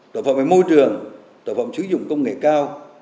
tội phạm về môi trường tội phạm sử dụng công nghệ cao